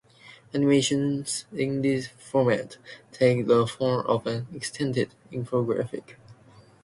Animations in this format take the form of an extended infographic.